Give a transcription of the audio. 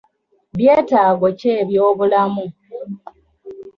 Byetaago ki eby'obulamu?